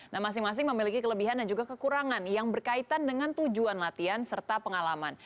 nah masing masing memiliki kelebihan dan juga kekurangan yang berkaitan dengan tujuan latihan serta pengalaman